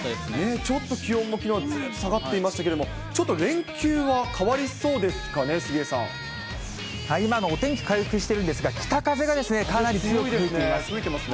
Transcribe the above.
ちょっと気温もきのうは下がっていましたけれども、ちょっと連休は変わりそうですかね、今のお天気、回復してるんですが、北風がかなり強く吹いてますね。